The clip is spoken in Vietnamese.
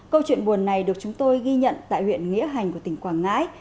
câu chuyện buồn này được chúng tôi ghi nhận tại huyện nghĩa hành của tỉnh quảng ngãi